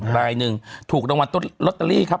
รายหนึ่งถูกรางวัลลอตเตอรี่ครับ